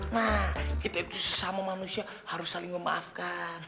nah kita itu sesama manusia harus saling memaafkan